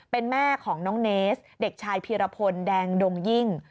เป็นแม่ของน้องเนสเด็กชายพีรพลแดงดงยิ่ง